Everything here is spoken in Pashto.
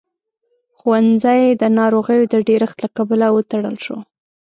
ښوونځی د ناروغيو د ډېرښت له کبله وتړل شو.